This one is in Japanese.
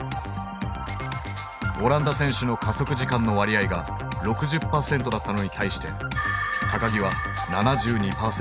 オランダ選手の加速時間の割合が６０％だったのに対して木は７２％。